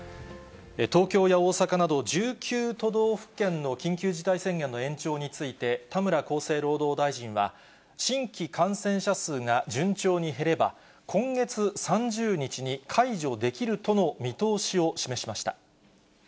東京や大阪など１９都道府県の緊急事態宣言の延長について、田村厚生労働大臣は、新規感染者数が順調に減れば、今月３０日に解除できるとの見通しを示しました。